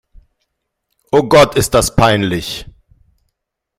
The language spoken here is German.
Oh Gott, ist das peinlich!